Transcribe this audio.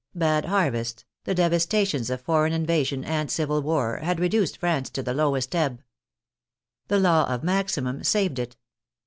Bad harvests, the devas tations of foreign invasion and civil war, had reduced France to the lowest ebb. The law of maximum saved it.